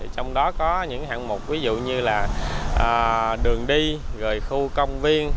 trong đó có những hạng mục ví dụ như là đường đi khu công viên